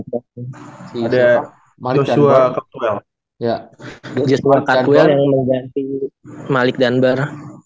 iya ada joshua cutwell yang mengganti malik danbar